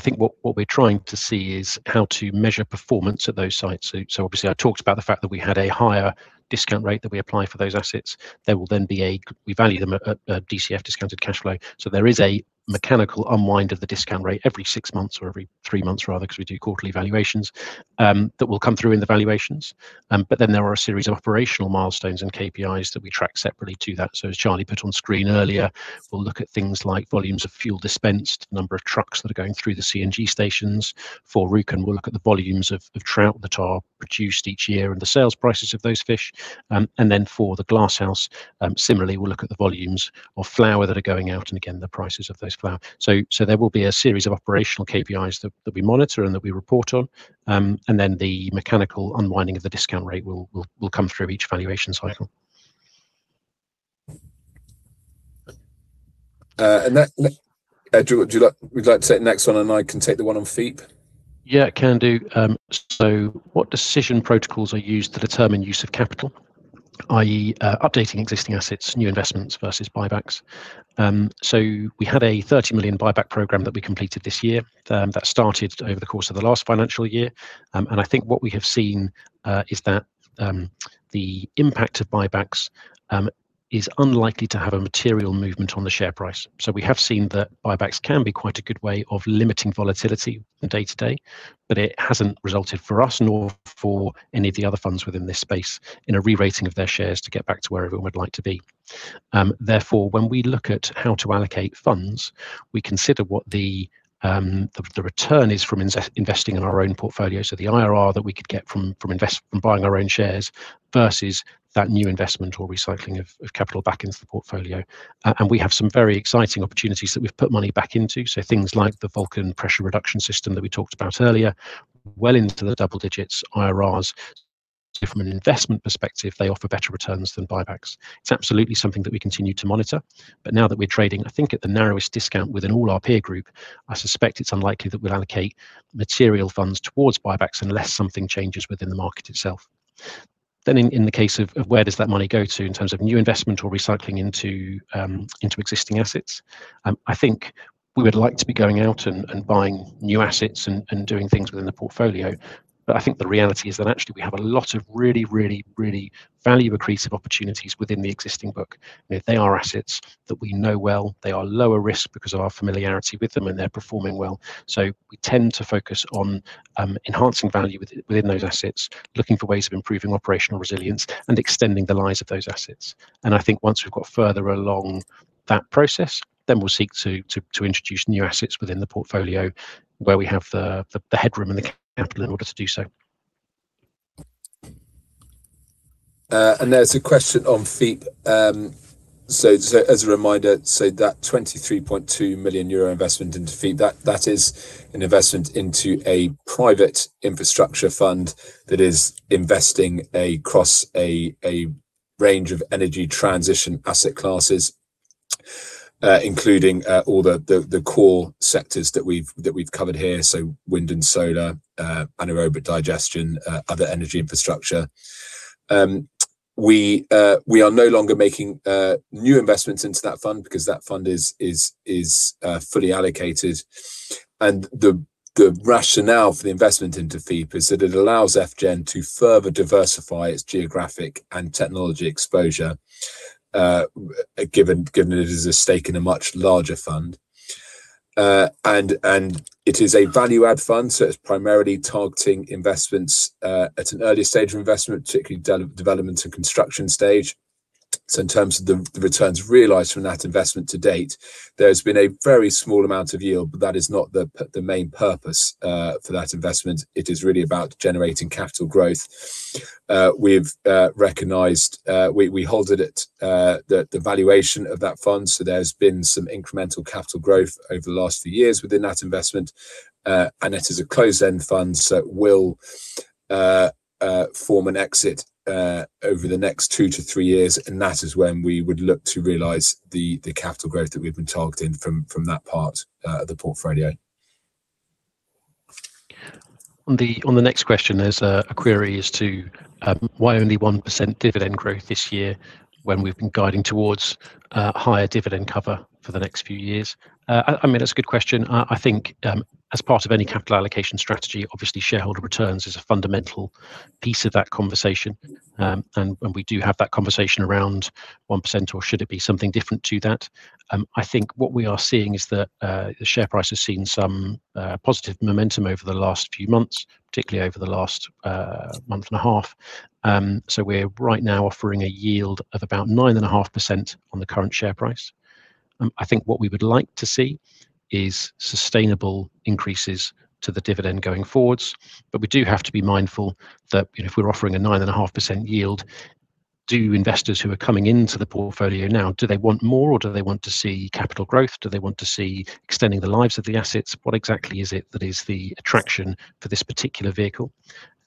S3: think what we're trying to see is how to measure performance at those sites. Obviously I talked about the fact that we had a higher discount rate that we apply for those assets. We value them at DCF, discounted cash flow. There is a mechanical unwind of the discount rate every six months or every three months rather, because we do quarterly valuations, that will come through in the valuations. There are a series of operational milestones and KPIs that we track separately to that. As Charlie put on screen earlier, we'll look at things like volumes of fuel dispensed, number of trucks that are going through the CNG stations. For Rjukan, we'll look at the volumes of trout that are produced each year and the sales prices of those fish. For the Glasshouse, similarly, we'll look at the volumes of flower that are going out and again, the prices of those flowers. There will be a series of operational KPIs that we monitor and that we report on. The mechanical unwinding of the discount rate will come through each valuation cycle.
S2: Would you like to take the next one and I can take the one on FGEN?
S3: Yeah, can do. What decision protocols are used to determine use of capital, i.e., updating existing assets, new investments versus buybacks? We had a 30 million buyback program that we completed this year, that started over the course of the last financial year. I think what we have seen is that the impact of buybacks is unlikely to have a material movement on the share price. We have seen that buybacks can be quite a good way of limiting volatility day to day, but it hasn't resulted for us nor for any of the other funds within this space in a re-rating of their shares to get back to where everyone would like to be. Therefore, when we look at how to allocate funds, we consider what the return is from investing in our own portfolio. The IRR that we could get from buying our own shares versus that new investment or recycling of capital back into the portfolio. We have some very exciting opportunities that we've put money back into. Things like the Vulcan Pressure Reduction system that we talked about earlier, well into the double digits IRRs. From an investment perspective, they offer better returns than buybacks. It's absolutely something that we continue to monitor, but now that we're trading, I think at the narrowest discount within all our peer group, I suspect it's unlikely that we'll allocate material funds towards buybacks unless something changes within the market itself. In the case of where does that money go to in terms of new investment or recycling into existing assets, I think we would like to be going out and buying new assets and doing things within the portfolio. I think the reality is that actually we have a lot of really value accretive opportunities within the existing book. They are assets that we know well. They are lower risk because of our familiarity with them, and they're performing well. We tend to focus on enhancing value within those assets, looking for ways of improving operational resilience and extending the lives of those assets. I think once we've got further along that process, we'll seek to introduce new assets within the portfolio where we have the headroom and the capital in order to do so.
S2: There's a question on FEIP. As a reminder, that 23.2 million euro investment into FEIP, that is an investment into a private infrastructure fund that is investing across a range of energy transition asset classes, including all the core sectors that we've covered here. Wind and solar, anaerobic digestion, other energy infrastructure. We are no longer making new investments into that fund because that fund is fully allocated and the rationale for the investment into FEIP is that it allows FGEN to further diversify its geographic and technology exposure given that it is a stake in a much larger fund. It is a value add fund, so it's primarily targeting investments at an early stage of investment, particularly development and construction stage. In terms of the returns realized from that investment to date, there's been a very small amount of yield, but that is not the main purpose for that investment. It is really about generating capital growth. We hold it at the valuation of that fund. There's been some incremental capital growth over the last few years within that investment. It is a closed-end fund, so it will form an exit over the next two to three years, and that is when we would look to realize the capital growth that we've been targeting from that part of the portfolio.
S3: On the next question, there's a query as to why only 1% dividend growth this year when we've been guiding towards higher dividend cover for the next few years. That's a good question. I think as part of any capital allocation strategy, obviously shareholder returns is a fundamental piece of that conversation. We do have that conversation around 1% or should it be something different to that. I think what we are seeing is that the share price has seen some positive momentum over the last few months, particularly over the last month and a half. We're right now offering a yield of about 9.5% on the current share price. I think what we would like to see is sustainable increases to the dividend going forwards. We do have to be mindful that if we're offering a 9.5% yield, do investors who are coming into the portfolio now, do they want more or do they want to see capital growth? Do they want to see extending the lives of the assets? What exactly is it that is the attraction for this particular vehicle?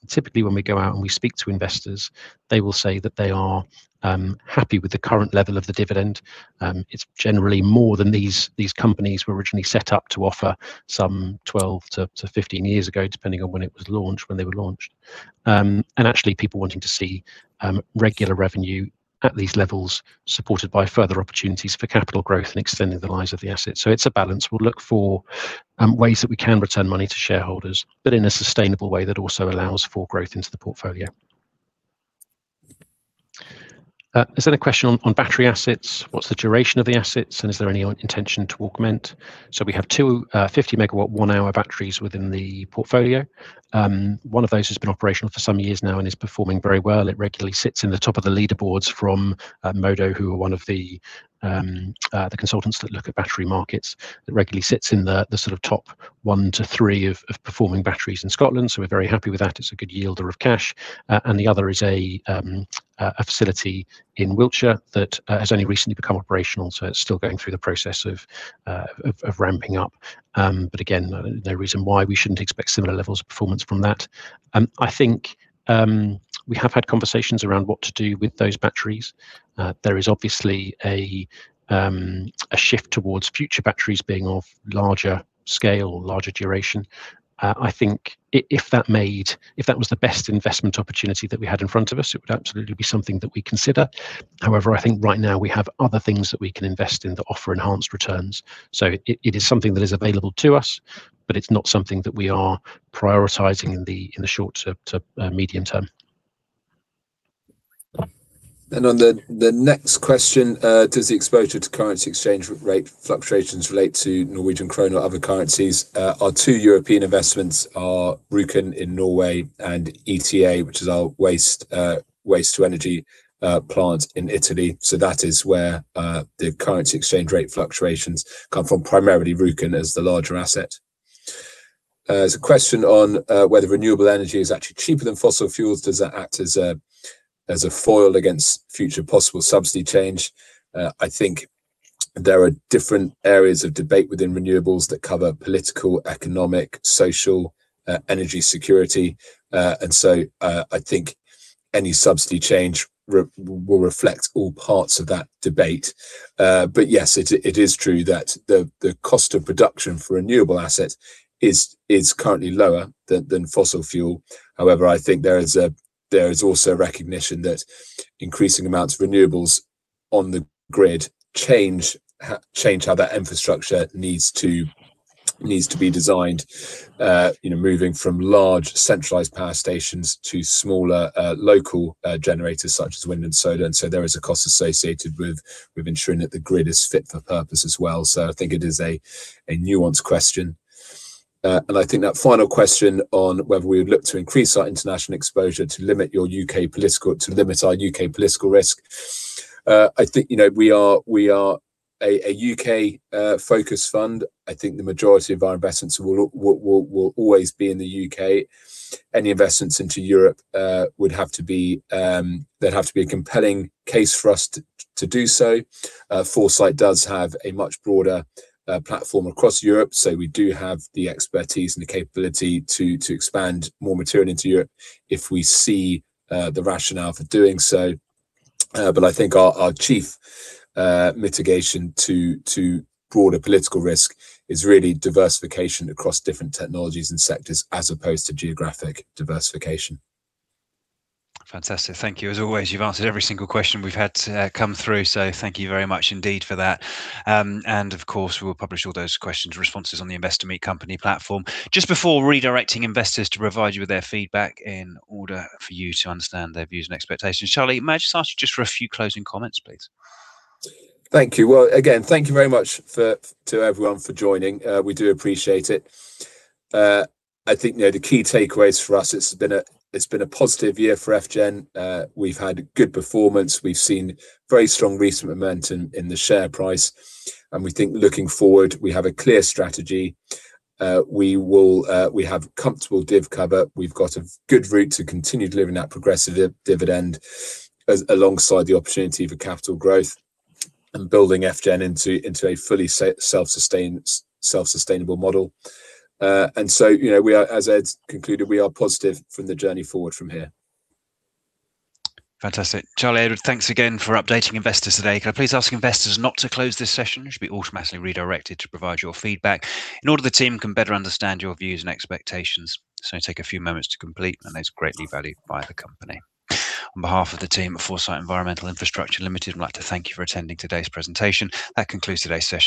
S3: Typically, when we go out and we speak to investors, they will say that they are happy with the current level of the dividend. It's generally more than these companies were originally set up to offer some 12 to 15 years ago, depending on when it was launched, when they were launched. Actually, people wanting to see regular revenue at these levels, supported by further opportunities for capital growth and extending the lives of the assets. It's a balance. We'll look for ways that we can return money to shareholders, but in a sustainable way that also allows for growth into the portfolio. Is there a question on battery assets? What's the duration of the assets, and is there any intention to augment? We have two 50 MW one-hour batteries within the portfolio. One of those has been operational for some years now and is performing very well. It regularly sits in the top of the leaderboards from Modo Energy, who are one of the consultants that look at battery markets, that regularly sits in the sort of top one to three of performing batteries in Scotland. We're very happy with that. It's a good yielder of cash. The other is a facility in Wiltshire that has only recently become operational, so it's still going through the process of ramping up. Again, no reason why we shouldn't expect similar levels of performance from that. I think we have had conversations around what to do with those batteries. There is obviously a shift towards future batteries being of larger scale or larger duration. I think if that was the best investment opportunity that we had in front of us, it would absolutely be something that we'd consider. However, I think right now we have other things that we can invest in that offer enhanced returns. It is something that is available to us, but it's not something that we are prioritizing in the short to medium term.
S2: On the next question, does the exposure to currency exchange rate fluctuations relate to Norwegian kroner or other currencies? Our two European investments are Rjukan in Norway and ETA, which is our waste to energy plant in Italy. That is where the currency exchange rate fluctuations come from, primarily Rjukan as the larger asset. There's a question on whether renewable energy is actually cheaper than fossil fuels. Does that act as a foil against future possible subsidy change? I think there are different areas of debate within renewables that cover political, economic, social, energy security. I think any subsidy change will reflect all parts of that debate. Yes, it is true that the cost of production for renewable assets is currently lower than fossil fuel. However, I think there is also a recognition that increasing amounts of renewables on the grid change how that infrastructure needs to be designed. Moving from large centralized power stations to smaller, local generators such as wind and solar. There is a cost associated with ensuring that the grid is fit for purpose as well. I think it is a nuanced question. I think that final question on whether we would look to increase our international exposure to limit our U.K. political risk. I think we are a U.K.-focused fund. I think the majority of our investments will always be in the U.K. Any investments into Europe, there'd have to be a compelling case for us to do so. Foresight does have a much broader platform across Europe, we do have the expertise and the capability to expand more materially into Europe if we see the rationale for doing so. I think our chief mitigation to broader political risk is really diversification across different technologies and sectors as opposed to geographic diversification.
S1: Fantastic. Thank you. As always, you've answered every single question we've had come through, so thank you very much indeed for that. Of course, we'll publish all those questions and responses on the Investimi company platform. Just before redirecting investors to provide you with their feedback in order for you to understand their views and expectations, Charlie, may I just ask you just for a few closing comments, please?
S2: Thank you. Well, again, thank you very much to everyone for joining. We do appreciate it. I think the key takeaways for us, it's been a positive year for FGEN. We've had good performance. We've seen very strong recent momentum in the share price. We think looking forward, we have a clear strategy. We have comfortable div cover. We've got a good route to continue delivering that progressive dividend alongside the opportunity for capital growth and building FGEN into a fully self-sustainable model. As Ed concluded, we are positive from the journey forward from here.
S1: Fantastic. Charlie, Edward, thanks again for updating investors today. Could I please ask investors not to close this session? You should be automatically redirected to provide your feedback in order the team can better understand your views and expectations. This only take a few moments to complete, and it's greatly valued by the company. On behalf of the team of Foresight Environmental Infrastructure Limited, we'd like to thank you for attending today's presentation. That concludes today's.